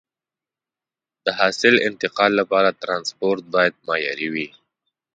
د حاصل انتقال لپاره ترانسپورت باید معیاري وي.